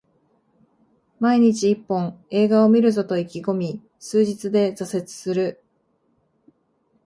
毎日一本、映画を観るぞと意気込み数日で挫折する